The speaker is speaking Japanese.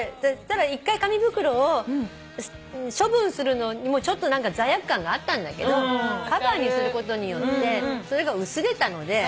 一回紙袋を処分するのにもちょっと罪悪感があったんだけどカバーにすることによってそれが薄れたので。